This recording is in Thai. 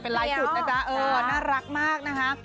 น่ารักมากนะคะ